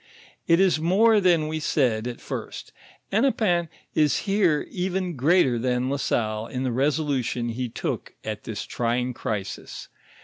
It is more than we said at first : Hennepin is here even greater than La Salle in the resolution he took at this trying crisis.